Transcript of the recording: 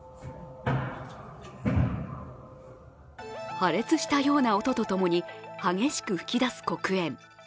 破裂したような音とともに激しく噴き出す黒煙。